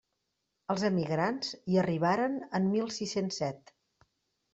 Els emigrants hi arribaren en mil sis-cents set.